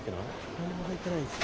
何も入ってないです。